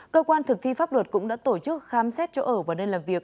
cơ quan thực thi pháp luật cũng đã tổ chức khám xét chỗ ở và nơi làm việc